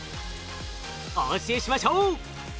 お教えしましょう！